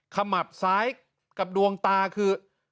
ขมับซ้ายกับดวงตาคือ